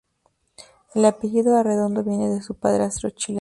El apellido Arredondo viene de su padrastro chileno.